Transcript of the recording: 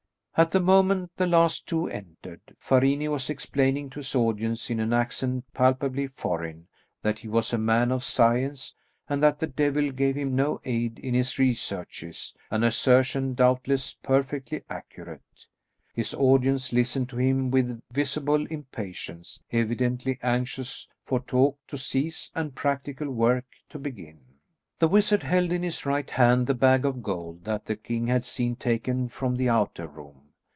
At the moment the last two entered, Farini was explaining to his audience, in an accent palpably foreign, that he was a man of science, and that the devil gave him no aid in his researches, an assertion doubtless perfectly accurate. His audience listened to him with visible impatience, evidently anxious for talk to cease and practical work to begin. The wizard held in his right hand the bag of gold that the king had seen taken from the outer room.